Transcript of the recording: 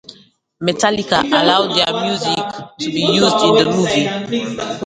Metallica allowed their music to be used in the movie.